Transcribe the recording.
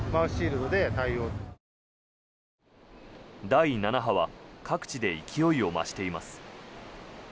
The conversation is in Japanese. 第７波は各地で勢いを増しています。